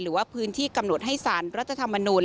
หรือว่าพื้นที่กำหนดให้สารรัฐธรรมนูล